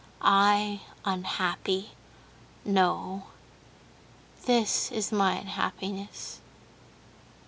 I unhappy? No, this is my unhappiness...."